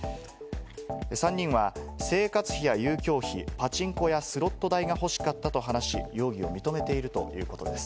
３人は生活費や遊興費、パチンコ代やスロット代が欲しかったと話し、容疑を認めているということです。